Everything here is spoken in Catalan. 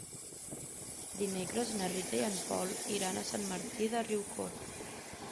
Dimecres na Rita i en Pol iran a Sant Martí de Riucorb.